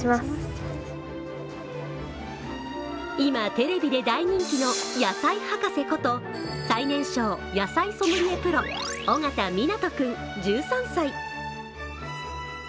今テレビで大人気の野菜博士こと最年少野菜ソムリエプロ緒方湊君１３歳。